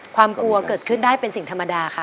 ความกลัวเกิดขึ้นได้เป็นสิ่งธรรมดาค่ะ